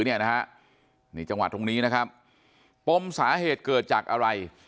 ในจังหวัดตรงนี้นะครับปมสาเหตุเกิดจากอะไร